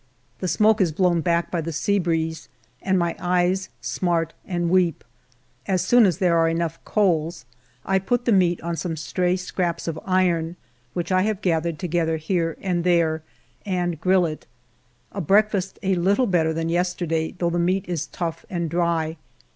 The smoke is blown back by the sea breeze and my eyes smart and weep. As soon as there are enough coals I put the meat on some stray scraps of iron which I have gathered together here and there, and grill it. I breakfast a little better than yesterday, though the meat is tough and dry.